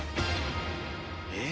え？